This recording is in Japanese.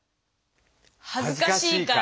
はずかしいから。